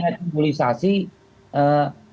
baik saya mau ke mas ujang